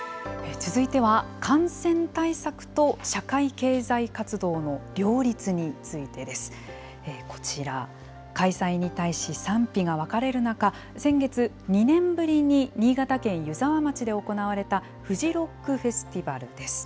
続いては、感染対策と社会経済活動の両立についてです。こちら、開催に対し賛否が分かれる中、先月、２年ぶりに新潟県湯沢町で行われたフジロックフェスティバルです。